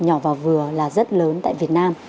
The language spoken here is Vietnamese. nhỏ và vừa là rất lớn tại việt nam